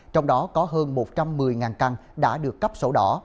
trong đó có hơn một trăm một mươi căn đã được cấp sổ đỏ